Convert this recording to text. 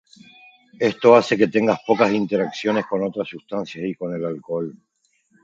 Esto hace que tenga pocas interacciones con otras sustancias y con el alcohol.